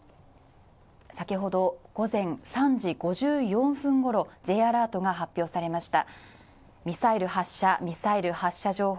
先ほど午前３時５４分ごろ、Ｊアラートが発表されました。